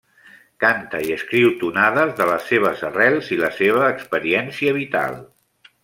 Canta i escriu tonades de les seves arrels i la seva experiència vital.